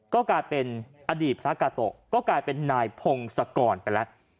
ก็กลายเป็นอดีตพระกาโตะก็กลายเป็นนายพงศกรไปแล้ว